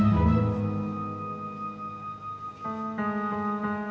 bapak belum tidur